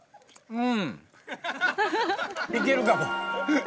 うん。